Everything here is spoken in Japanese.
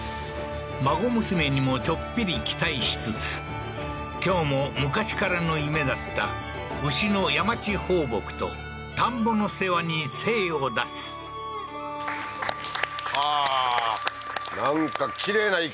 孫娘にもちょっぴり期待しつつ今日も昔からの夢だった牛の山地放牧と田んぼの世話に精を出すはあーなんかきれいな一軒家でしたね